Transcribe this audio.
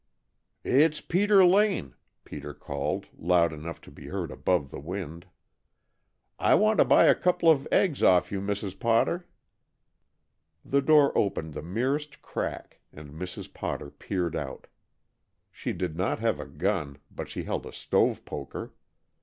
"It's Peter Lane," Peter called, loud enough to be heard above the wind. "I want to buy a couple of eggs off you, Mrs. Potter." The door opened the merest crack and Mrs. Potter peered out. She did not have a gun, but she held a stove poker.